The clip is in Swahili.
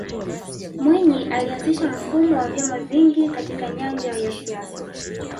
mwinyi alianzisha mfumo wa vyama vingi katika nyanja ya siasa